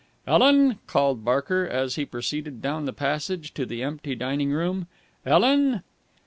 "Ellen!" called Barker, as he proceeded down the passage to the empty dining room. "Ellen!"